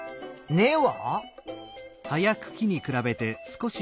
根は？